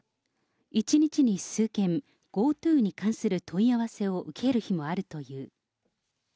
１日に数件、ＧｏＴｏに関する問い合わせを受ける日もあるという。